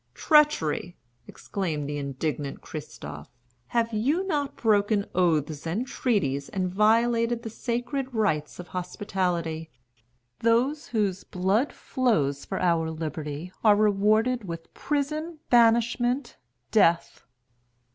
"Treachery!" exclaimed the indignant Christophe. "Have you not broken oaths and treaties, and violated the sacred rights of hospitality? Those whose blood flows for our liberty are rewarded with prison, banishment, death.